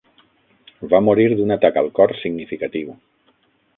Va morir d'un atac al cor significatiu.